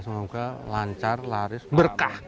semoga lancar laris berkah